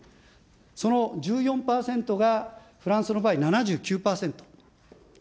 その１４％がフランスの場合、７９％。